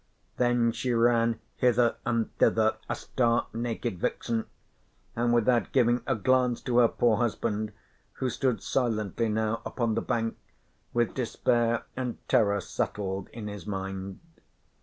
Then she ran hither and thither a stark naked vixen, and without giving a glance to her poor husband who stood silently now upon the bank, with despair and terror settled in his mind.